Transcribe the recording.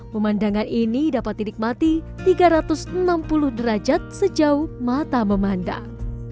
pemandangan ini dapat dinikmati tiga ratus enam puluh derajat sejauh mata memandang